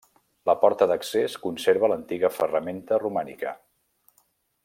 La porta d'accés conserva l'antiga ferramenta romànica.